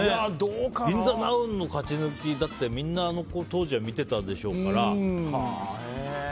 「ぎんざＮＯＷ！」の勝ち抜きだってみんなあの当時は見てたでしょうから。